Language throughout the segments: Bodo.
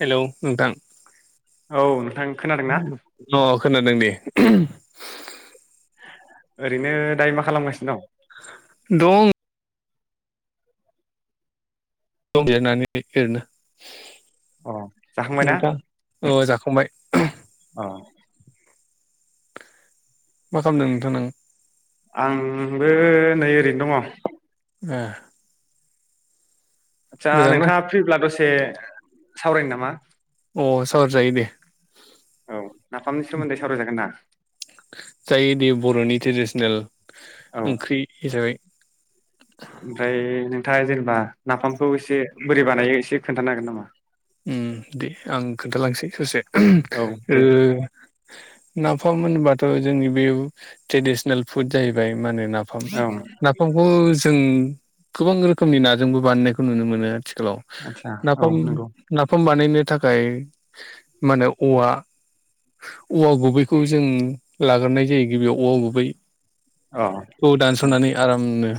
हेलौ नोंथां। औ। खोनादोंना उम अ खोनादों दे। ओरैनो दायो मा खालामगासिनो दं? दं [unintelligible] नानै ओरैनो। अ जाखांबायना नोंथां अ जाखांबाय अ मा खालामदों नोंथां नों? आंबो नै ओरैनो दङ। ऐह। आदसा नोंथाङा फ्रिब्ला दसे सावराय नों नामा? अ सावराय जायो दे। औ नाफामनि सोमोन्दै सावरायजागोन ना? जायोदे बरनि ट्रेडिसनेल औ ओंख्रि हिसाबै। ओमफ्राय नोंथाङा जेनेबा नाफामखौ एसे बोरै बानायो एसे खोन्थानो हागोन नामा? उम दे आं खोन्थालांसै ससे औ ओ दे नाफाम होनोबाथ जोंनि बेव ट्रेडिसनेल फुड जाहैबाय मानो नाफाम औ नाफामखौ जों गोबां रोखोमनि नाजोंबो बानायनायखौ नुनो मोनो। आथिखालाव आदसा औ नाफाम नंगौ नाफाम बानायनो थाखाय माने औवा औवा गुबैखौ जों लाग्रोनाय जायो गिबियाव औवा गुबै अ खौ उम दानसनानै आरामनो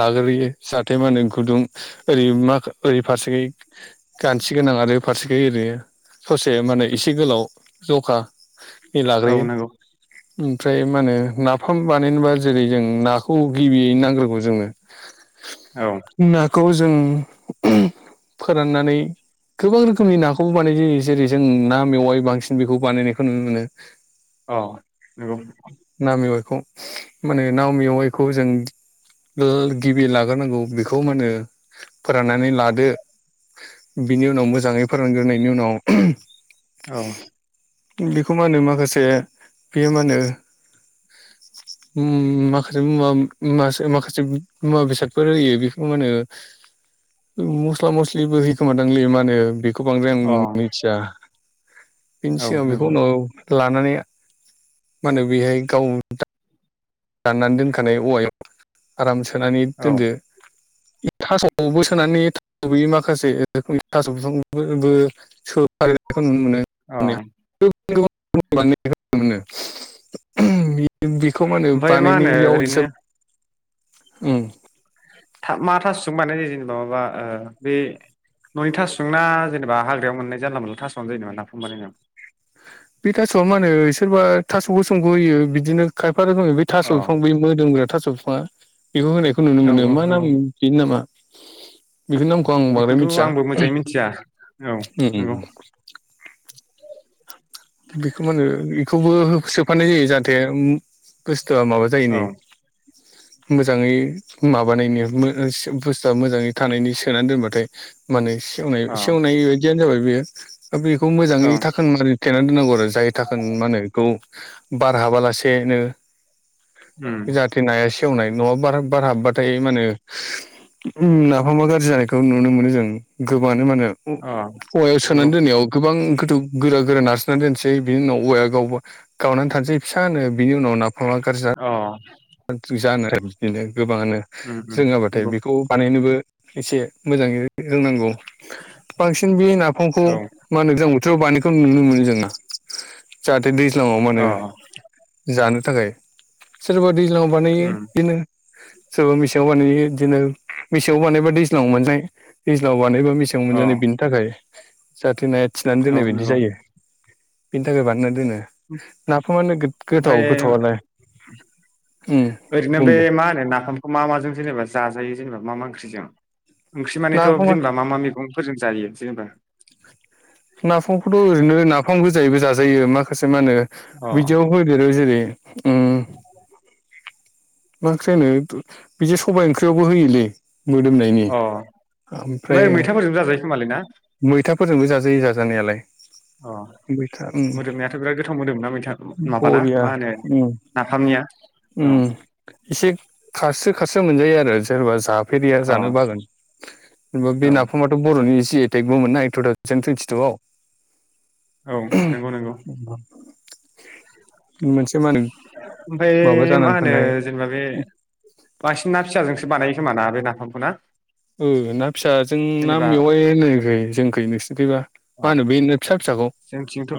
लाग्रोयो जाहाथे मा होनो गुदुं ओरै मा ओरै फारसेयै गानथि गोनां आरो फारसेखै ओरै ससे माने एसे गोलाव जखा बे औ लाग्रोयो। नंगौ ओमफ्राय मा होनो नाफाम बानायनोबा जेरै जों नाखौ गिबियै नांग्रोगौ जोंनो। औ नाखौ जों फोराननानै गोबां रोखोमनि नाखौबो बानाय जायो जेरै जों ना मेवाइ बांसिन बेखौ बानायनायखौ नुनो मोनो। औ नंगौ। खौ माने ना मेवाइखौ जों ओ गिबि लाग्रोनांगौ बेखौ मा होनो फोराननानै लादो। बिनि उनाव मोजाङै फोरोंग्रोनायनि उनाव औ बेखौ मा होनो माखासे बेयो मा होनो माखासे मुवा मा माखासे मुवा बेसादफोर होयो बेखौ मा होनो? मस्ला मस्लिबो होयोखोमादांलै मा होनो बेखौ बांद्राय आं अ मिथिया। बिनि औ सिगां बेखौ नंगौ उनाव लानानै मानो बेहाय गाव दाननानै दोनखानाय औवायाव आराम सोनानै औ दोनदो। थासबो सोनानै [unintelligible] माखासे थास बिसंफोरबो सोफा खो नुनो अ मोनो [unintelligible] [unintelligible] ओमफ्राय मा होनो बानायनायाव ओरैनो जोब उम मा थासजों बानायनाय जायो जेनेबा माबा बे ननि थासजोंना जेनेबा हाग्रायाव मोननाय जानला मोनला थास आनो जायो नामा नाफाम बानायनायाव बे थासआ मा होनो सोरबा थास गोसोमखौ होयो बिदिनो खाय बेै थास' अ बिफां बै मोदोमग्रा थास' बिफाङा बेखौ होनायखौ नुनो औ मोनो औ मा नाम नंगौ बिनि नामा बेफोरनि नामखौ आं बांद्राय बेखौथ' मिथिया आंबो मोजाङै मिथिया औ उम नंगौ [unintelligible] [inaudible] बेखौ मा होनो बेखौबो सोफानाय जायो जाहाथे माबा औ जायोनि [unintelligible] [inaudible] मोजाङै माबानायनि बुस्थुआ मोजाङै थानायनि सोनानै दोनबाथाय माने सेवनाय अ सेवनाय बायदियानो जाबाय बेयो दा बेखौ औ मोजाङै थाखोन मानि थेना दोननांगौ आरो जाय थाखोन माने बेखौ बार हाबालासेनो उम जाहाथे नाया सेवनाय न'आव बार बारहाबबाथाय मा होनो नाफामा गाज्रि जानायखौ नुनो मोनो जों गोबांनो मान अ औवायाव नंगौ सोनानै दोननायाव गोबां गोरा गोरा नारसोननानै दोनसै बिनि उनाव औवाया गावबा गावनानै थानोसै फिस होनानो बिनि उनाव ना अ जानो आरो बिदिनो गोबाङानो उम उम जोङाबाथाय नंगौ बेखौ बानाय नोबो एसे मोजाङै रोंनांगौ बांसिन बे नाफामखौ औ मा होनो जों बानायखौ नुनो मोनो जोंना जाहाथे दैज्लाङाव माने अ जानो थाखाय सोरबा दैज्लांआव बानायो उम बिदिनो सोरबा मेसेंआव बानायो बिदिनो मेसेंआव बानायबा दैज्लांआव मोनजायो दैज्लांआव बानायबा मेसेङाव अ मोनजानाय बिनि थाखाय जाथे नाया थिनानै दोननाय औ बायदि नंगौ जायो बेनि थाखाय बानायना दोनो नाखौ माने ओमफ्राय गोथाव गोथावलाय ओरैनो बे मा होनो नाफामखौ मा माजों जेनेबा जाजायो जेनेबा मा मा ओंख्रिजों ओंख्रि मानेथ' नाफामा जेनेबा मा मा मैगंफोरजों जायो जेनेबा नाफामखौथ' ओरैनो नाफाम गोजायैबो जाजायो माखासे मा होनो अ बिदियाव होदेरो जेरै ओ मख्रिनो बिदि सबायाइ ओंख्रियावबो होयोलै मोदोमनायनि अ ओमफ्राय मैथाफोरजों जाजायो खोमालै ना? मैथाफोरजोंबो जाजायो जाजानायालाय अ मैथा उम मोदोमनायाथ' बिराद गोथाव मोदोमनाा मैथा माबाना मा होनो नाफामनिया उ औ एसे खारसो खारसो मोनजायो आरो जेनबा जाफेरिया अ जानो बागोन जेनबा बे औ नाफामाथ' बर'नि जि आइ टेकबो मोननाय टु थावजेन टुइेटिटुव औ नंगौ नंगौ [unintelligible] [inaudible] मा होनो माबा ओमफफ्राय मा जानानै होनो थानाय जेनेबा बे बांसिन ना फिसाजों बानायो खोम ना बे नाफामखौ ना? ओ ना फिसाजों ना जेनेबा मेवाइ होननायखै जोंखै नोंसोरथिबा मा अ होनो बे फिसा फिसाखौ जोंथिंथ'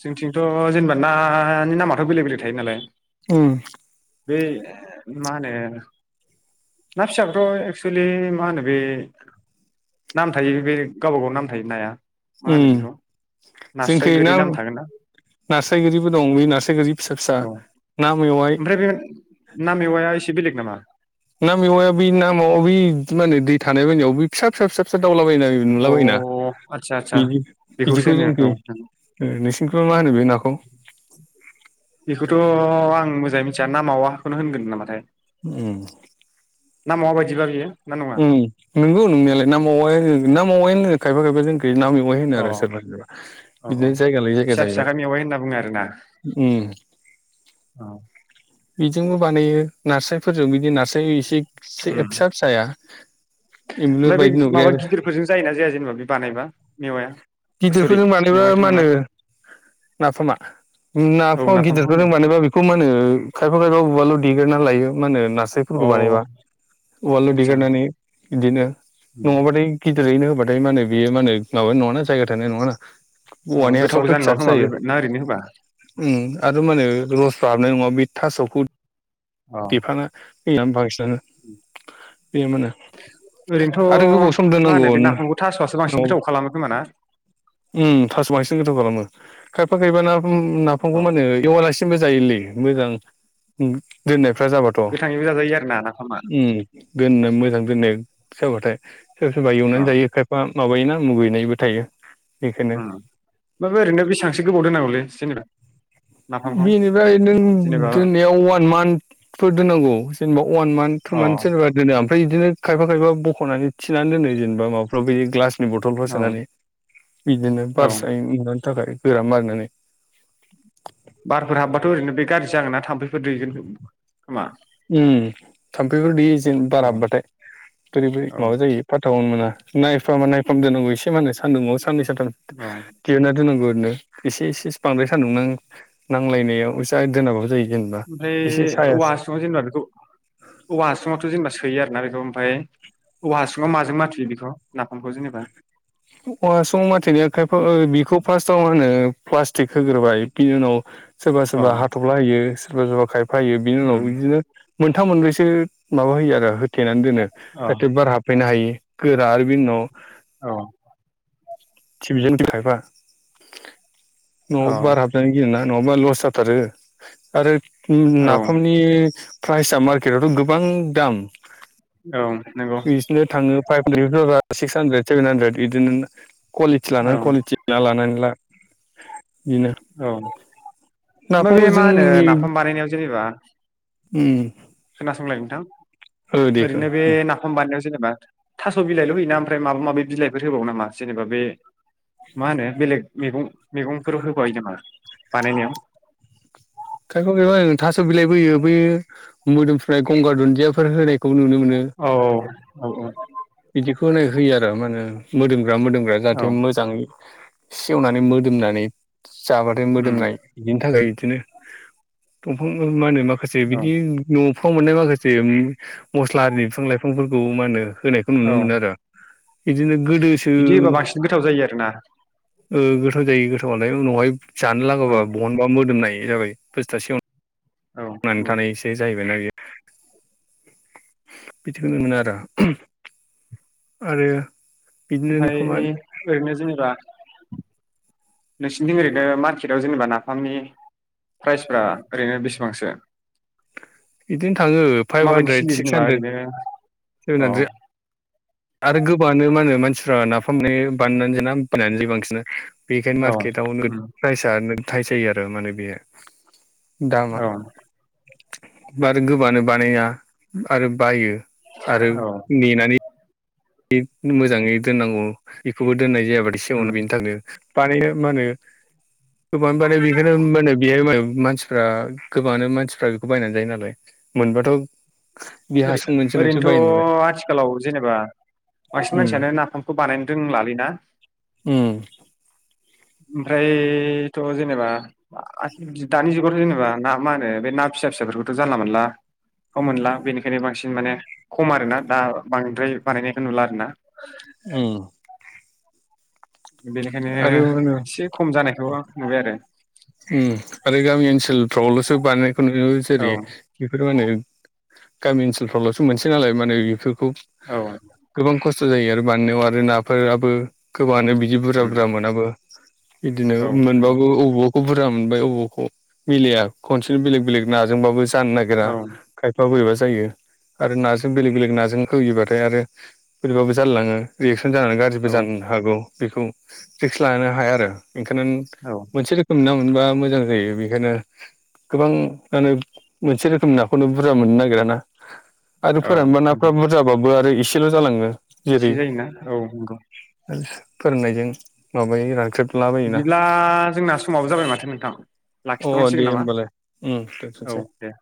जोंथिंथ' जेनेबा नानि नामाथ' बेलेग बेलेग थायो नालाय उम बे मा होनो ना फिसाखौथ' एक्सलि मा होनो बे नाम थायो बे गावबा गाव नाम थायो नाया मा उम होनो बेखौ नास्राय गोरि नाम थागोन ना नास्रायगोरिबो दं बे नारास्रायगोरि फिसा फिसा औ ना मेवाय ओमफ्राय बे ना मेवाया एसे बेलेग नामा ना मेवाया बेै नामा बै माहोनो दै थाला बायनायाव बै फिसा फिसा फिसा फिसा मावलाबायनाय अ नुलाबायोना आदसा आदसा बिदि बेखौसो बिदिखौ होनो जोंनिखाय औ ओ नोंसिनिखौ मा होनो बे नाखौ बेखौथ' आं मोजाङै मिथिया ना मावाखौनो होनगोन नामाथाय ओम ना मावा बायदिबा बियो ना नङा उम नंगौ नंनायालाय ना मावाय होनो ना मावाय होनो खायफा खायफा जों बे ना मेवाय होनो अ औ आरो सोरबा सोरबा औ बिदिनो जायगा लायै जायगा फिसा जाहैबाय। फिसाखाय मेवाइ होनना बुङो आरोना उम। औ। बिजोंबो बानायो नास्रायफोरजों बिदि नास्राय एसे [unintelligible] उम फिसा फिसाया। एम्बुलुर ओमफ्राय बे बायदि नुग्राया माबा गिदिरफोरजों जायो ना जाया जेनेबा बे बानायबा मेवाया। सरि गिदिरफोरजों बानायबा मेवाइथ' नङा मानो। नाफामा औ नाफामा नाफामखौ गिदिरफोरजों होनदों बानायबा बिखुं मानो। खायफा खाया उवालाव दिग्रोना लायो मा होनो अ नास्रायफोरखौ बानायबा उवालल' आदसा देगारनानै बिदिनो नङा बाथाय एरैनो होबाथाय माने बेयो माने माबा नङा ना जायगा थोनाय नङा ना अ औवानि गोथावबो हासुङाथ' जानाय नङा फिसासो खोमा जायो बे ना ओरैनो होबा उम आरो मा होनो लस बाबनाय नङा बे थास'खौ अ देफाना होयो बांसिनानो बे मानो ओरैनोथ' मा होनो बे नाफामखौ थास'आसो बांसिन नङाबा गोथाव खालामो खोमा ना? उम थास'वा बांसिन गोथाव खालामो। खायफा खायफा ना औ नाफामखौ मानो एवालासिनोबो जायोलै मोजां दोननाय जाजाबाथ' गोथाङैबो जाजायो आरो ना नाफामा उम दोननो मोजां दोननाय जाबाथाय। सोर सोरबा एवनानै अ जायो खायफा माबायो ना मुगैनायबो थायो। बेखायनो उम ओमफ्राय ओरैनो बेसांसो गोबाव दोननांगौलै जेनेबा नाफामखौ बेनिफ्राय नों जेनेबा दोननायाव उवान मान्थफोर दोननांगौ जेनबाव अवान मान्थ थु अ मान्थ सो [unintelligible] दोनो ओमफ्राय बिदिनो खायफा खायफा बख'नानै थिनानै दोनो जेनेबा माबाफ्राव बिदिनो ग्लास नि बथलफ्राव औ सोनानै बिदिनो औ [unintelligible] नुनो थाखाय गोरा मारिनानै बारफोर हाबबाथ' ओरैनो बे गाज्रि जागोन ना थाम्फैफोर दैगोन खोमा उम थाम्फैफोर दैयो जेन बार औ हाबबाथाय बोरै बोरै औ माबा जायो फाथाखौनो मोना। नायफाम नायफाम दोननांगौ इसे मा होनो सानदुंआव साननै सानथाम औ दिहुनना दोननांगौ नो इसे इसे बांद्राय सान्दुं नां नांलायनायाव जा दोनाबाबो जायो। जेनेबा एसे ओमफ्राय साया औवा हासुंआव जेनेबा बेखौ औवा हासुङावथ' जेनेबा सोयो आरो ना ओमफाय औवा हासुङाव माजों माथुयो बेखौ। नाफामखौ जेनेबा औवा हासुङाव माथेनाया खायफा बेखौ फार्स्टाव मा होनो प्लास्टिक होग्रोबाय बिनि उनाव सोरबा अ सोरबा हाथफ्ला होयो सोरबा सोरबा खाय यो बिनि उम उनाव बिदिनो मोनथाम मोनब्रैसो माबा होयो आरो थेनानै दोनो अ जाहाथे बार हाबफैनो हायै गोरा आरो बेनि उनाव औ। टिभजों [unintelligible] खायफा औ न'आव बार हाबजानो गियो ना न' [unintelligible] लस्त जाथारो आरो औ नाफामनि प्राइस आं मार्केटआवथ' गोबां दाम। औ नंगौ। बिसोरनो थाङो five [unintelligible] six hundred seven hundred बिदिनो कुवालिटि औ लानानै कुवालिटि ना लानानै ना औ ओमफाय बे नाफामखौ मा होनो नाफाम बानायनायाव जेनेबा उम। खोनासंलाय नोंथां देखो ओरैनो बे नाफाम बानायनायाव जेनेबा थास' बिलाइल' हैयो ना ओमफ्राय माबा माबि बिलाइफोर होबावो नामा जेनेबा बे मा होनो बेलेग मैगं मैगंफोर होबाय नामा बानायनायाव? [unintelligible] थास' बिलाइबो होयो बै मोदोमफ्रुनाय गंगार दुन्दियाफोर होनाय खौ नुनो मोनो। औ औ औ। बिदिखौ होननाय होयो आरो मानो मोदोमग्रा मोदोमग्रा औ जाहाथे मोजां सेवनानै मोदोमनानै जाबाथाय उम मोदोमनाय बिदिनि थाखाय बिदिनो दंफां मा होनो माखासे औ बिदि न' फ्र मोननाय माखासे मस्ला बिफां लाइफांफोरखौ माहोनो खौ नुनो औ मोनो आरो बिदिनो गोदोसो बिदि होबा बांसिन गोथाव जायो आरोना ओ गोथाव जायो गोथावालाय उनावहाय जानो लागाबा औ बहनबा मोदोमनाय जाबाय बसथुसेय औ थांनानै औ थानायसे जाहैबाय ना यो बिदिखौ नुनो आरो। आरो बिदिनो ओमफफ्राय नाफामा ए ओरैनो जेनबा नोंसिनिथिं ओरैनो मार्केटाव जेनेबा नाफामनि प्राइजफ्रा ओरैनो बेसेबांसो? बिदिनो थाङो फाइभ माबायदि हानद्रेद सोलियो सिक्स जेनेबा हानद्रेद ओरैनो अ [inaudible] आरो गोबाङानो मा होनो मानसिफ्रा नाफाम नेयै [unintelligible] बांसिना बेखायनो औ मार्केटावनो उम [inaudible] प्राइसआ थाइ जायो आरो माने बेयो। दाम बा औ आरो गोबानो बानाया आरो बायो । आरो औ नेनानै मोजाङै दोननांगौ बेखौबो दोननाय जायाबथायि सिाङावनो उम बेनि थाखायनो मानि मा होनो गोबांआनो बानायो बिखनो [unintelligible] मायु मानसिफ्रा गोबाङानो मानसिफ्रा बेखौ बायनानै जायो नालाय मोनबाथ' बे ओरै हासुं मोनसे मोनसे बायो नालाय ओरैनोथ' आथिखालाव जेनेबा बांसिन उम मानसियानो नाफामखौ बानायनो रोंलाल ना? उम ओमफ्रायथ' जेनेबा आ दानि जुगाव' जेनेबा ना मा होनो बे ना फिसा फिसाफोरखौथ' जानला मोनला मोनला बेनि खायनो बांसिन माने खम आर ना दा बांद्राय बानायनायखौ नुला आर ना। औ। बेनिखायनो मा होनो एसे खम जानायखौ नुबाय आरो। प्रबल'सो बानायनायखौ नुयो औ जेरै' बेफोर मा होनो? गामि ओनसोलफ्रावल'सो मोनसेै नालाय माने बेफोरखौ औ गोबां खस्थ' स जायो आरो बान्नायाव आरो नाफोराबो गोबाङानो जिदि बुरजा उम बुरजा मोनाबो बिदिनो औ मोनबो नंगौ औऔ । बुरजा मोनबाय अवखौ मिलया खनसेनो बेलेक बेलेक नाजोंबाबो जानो नागिरा औ खायफा बोरैबासो जायो आरो नासों बेलेग बेलेग नाजों होयो बाथाय आरो बोरैबा बो जालालाङो रेख [inaudible] गाज्रिबो औ जानो हागै बेखै पिखस लानो हाया आरो औ [inaudible] मोनसे ना रोखोमनि मोना मोनबा मोजां जायो बेखायनो गोबां मानो मोनसे रोखोमनि नाखौनो बुरजा मोननो नागिराना आरो औ फोरानबा नंगौ नाफ्रा बुरजाबाबो आरो एसेल' जालाङो । एसे जायोना औ नंगौ। फोरोंनायजों माबायो रानख्रेब बिदिब्ला जोंना समावो जाबाय माथो नोंथां? अ लाखिथ' नां दे सिगोन नामा। होमबालाय औ दोनथ'सै दे